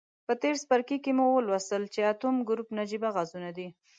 په تیر څپرکي کې مو ولوستل چې اتم ګروپ نجیبه غازونه دي.